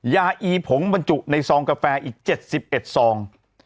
อีผงบรรจุในซองกาแฟอีก๗๑ซอง